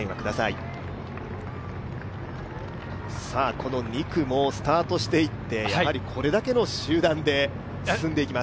この２区もスタートしていって、これだけの集団で進んでいきます。